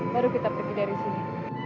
baru kita pergi dari sini